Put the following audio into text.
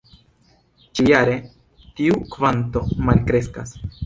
Ĉiujare tiu kvanto malkreskas.